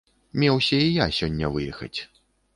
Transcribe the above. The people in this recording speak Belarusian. Меўся і я сёння выехаць.